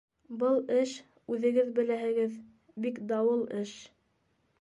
— Был эш, үҙегеҙ беләһегеҙ, бик дауыл эш.